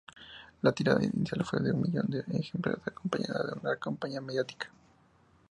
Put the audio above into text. La tirada inicial fue de un millón de ejemplares acompañada de una campaña mediática.